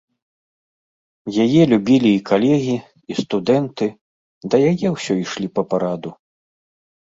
Яе любілі і калегі, і студэнты, да яе ўсё ішлі па параду.